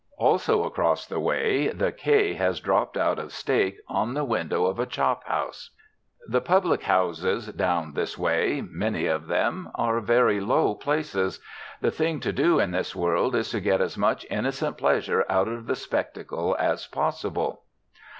Also, across the way the "k" has dropped out of steak on the window of a chop house. The public houses down this way, many of them, are very low places. The thing to do in this world is to get as much innocent pleasure out of the spectacle as possible.